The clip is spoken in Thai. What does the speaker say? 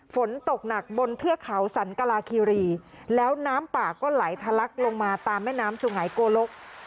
ฝนตกหนักบนเทือกเขาสันกลาคีรีแล้วน้ำป่าก็ไหลทะลักลงมาตามแม่น้ำสุงหายโกลก